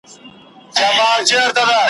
هسي وايي بوالعلا په ټوله ژوند ,